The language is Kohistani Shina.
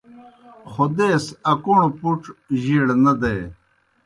خودیس اکوݨوْ پُڇ جیئڑ نہ دے۔